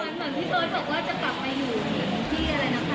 เหมือนพี่เบิร์ตบอกว่าจะกลับไปอยู่ที่อะไรนะคะ